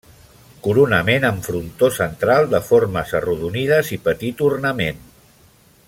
Coronament amb frontó central de formes arrodonides i petit ornament.